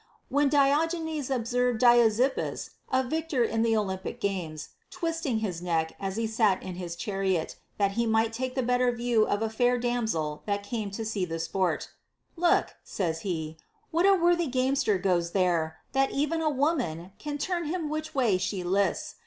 When Diogenes observed l)i oxippus, a victor in the Olympic games, twisting his neck 440 OF INQUISITIVEXESS as he sat in his chariot, that he might take the better view of a fair damsel that came to see the sport, Look (says he) what a worthy gamester goes there, that even a woman can turn him which way she lists.